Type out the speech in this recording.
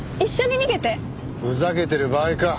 ふざけてる場合か。